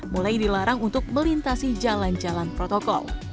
mulai dilarang untuk melintasi jalan jalan protokol